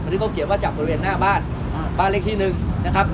ที่เขาเขียนว่าจับบริเวณหน้าบ้านบ้านเลขที่หนึ่งนะครับ